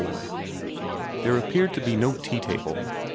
XXIV THERE appeared to be no tea table.